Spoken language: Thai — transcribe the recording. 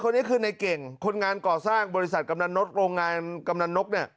ก็คือในเก่งคนงานก่อสร้างบริษัทกำแนนก